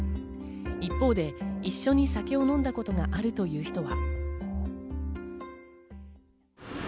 一方で一緒に酒を飲んだことがあるという人は。